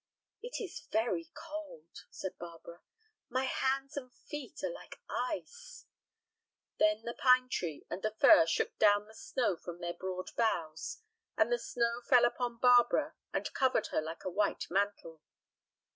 "It is very cold," said Barbara. "My hands and feet are like ice." Then the pine tree and the fir shook down the snow from their broad boughs, and the snow fell upon Barbara and covered her like a white mantle.